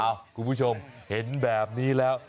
คุณผู้ชมเห็นแบบนี้แล้ว